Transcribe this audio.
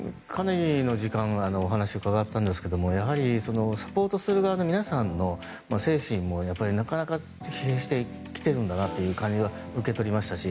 かなりの時間お話を伺ったんですがやはり、サポートする側の皆さんの精神もなかなか疲弊してきているんだなという感じは受け取りましたし